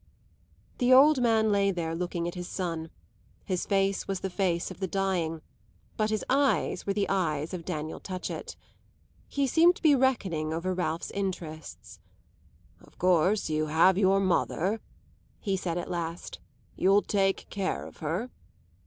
The old man lay there looking at his son; his face was the face of the dying, but his eyes were the eyes of Daniel Touchett. He seemed to be reckoning over Ralph's interests. "Of course you have your mother," he said at last. "You'll take care of her."